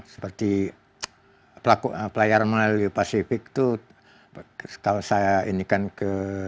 seperti pelayaran melalui pasifik itu kalau saya ini kan ke